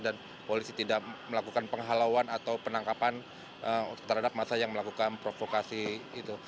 dan polisi tidak melakukan penghalauan atau penangkapan terhadap massa yang melakukan provokasi itu